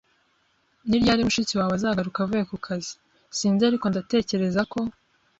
"Ni ryari mushiki wawe azagaruka avuye ku kazi?" "Sinzi, ariko ndatekereza ko